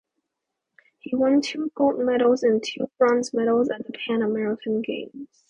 He won two gold medals and two bronze medals at the Pan American Games.